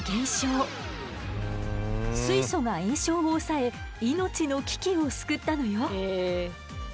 水素が炎症を抑え命の危機を救ったのよ。